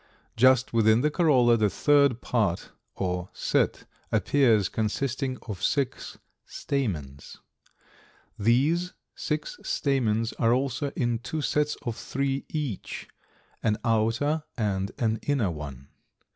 Just within the corolla the third part or set appears, consisting of six stamens. These six stamens are also in two sets of three each, an outer and an inner one.